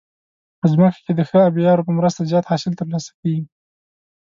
په ځمکه کې د ښه آبيارو په مرسته زیات حاصل ترلاسه کیږي.